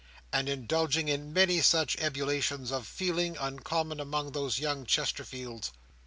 and indulging in many such ebullitions of feeling, uncommon among those young Chesterfields.